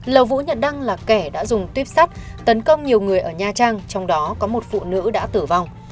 lầu vũ nhật đăng là kẻ đã dùng tuyếp sắt tấn công nhiều người ở nha trang trong đó có một phụ nữ đã tử vong